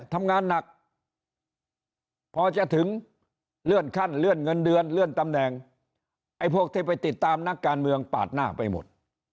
ทำงานหนักพอจะถึงเลื่อนขั้นเลื่อนเงินเดือนเลื่อนตำแหน่งไอ้พวกที่ไปติดตามนักการเมืองปาดหน้าไปหมด